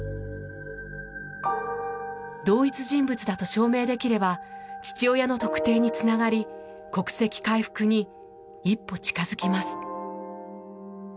同一人物だと証明できれば父親の特定につながり国籍回復に一歩近づきます。